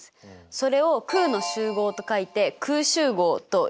それを空の集合と書いて空集合といいますよ。